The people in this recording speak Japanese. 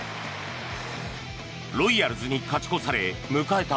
ロイヤルズに勝ち越され迎えた